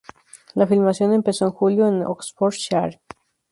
La filmación empezó en julio en Oxfordshire.